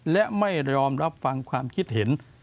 และไม่ยอมรับฟังความคิดเห็น